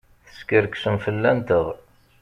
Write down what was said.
Teskerksem fell-anteɣ!